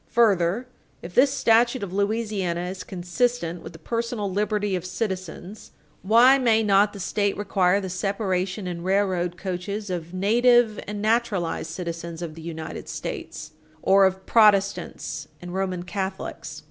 Further, if this statute of Louisiana is consistent with the personal liberty of citizens, why may not the State require the separation in railroad coaches of native and naturalized citizens of the United States, or of Protestants and Roman Catholics?